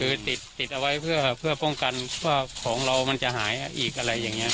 คือติดเอาไว้เพื่อป้องกันว่าของเรามันจะหายอีกอะไรอย่างนี้